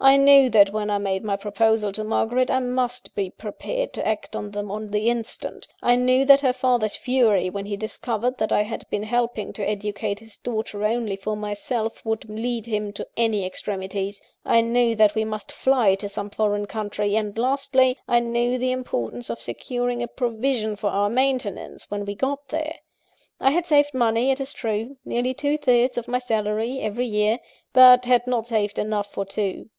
I knew that when I made my proposals to Margaret, I must be prepared to act on them on the instant; I knew that her father's fury when he discovered that I had been helping to educate his daughter only for myself, would lead him to any extremities; I knew that we must fly to some foreign country; and, lastly, I knew the importance of securing a provision for our maintenance, when we got there. I had saved money, it is true nearly two thirds of my salary, every year but had not saved enough for two.